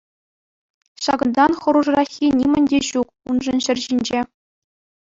Ҫакӑнтан хӑрушраххи нимӗн те ҫук уншӑн ҫӗр ҫинче.